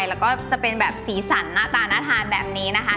แล้วก็จะเป็นแบบสีสันหน้าตาน่าทานแบบนี้นะคะ